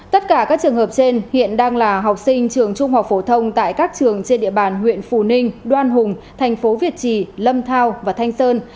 tất cả các trường hợp trên hiện đang là học sinh trường trung học phổ thông tại các trường trên địa bàn huyện phù ninh đoan hùng thành phố việt trì lâm thao và thanh sơn